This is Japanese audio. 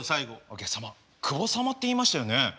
お客様久保様っていいましたよね？